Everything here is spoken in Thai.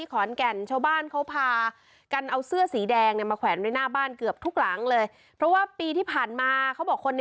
ขอนแก่นชาวบ้านเขาพากันเอาเสื้อสีแดงเนี่ยมาแขวนไว้หน้าบ้านเกือบทุกหลังเลยเพราะว่าปีที่ผ่านมาเขาบอกคนใน